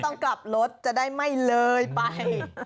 ต้องกลับรถจะได้ไม่เลยไป